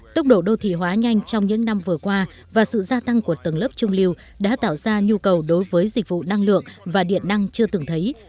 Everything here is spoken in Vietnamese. tốc độ đô thị hóa nhanh trong những năm vừa qua và sự gia tăng của tầng lớp trung lưu đã tạo ra nhu cầu đối với dịch vụ năng lượng và điện năng chưa từng thấy